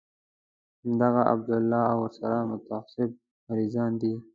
همدغه عبدالله او ورسره متعصب مريضان دي.